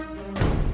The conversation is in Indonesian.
eh kamu mencuri disini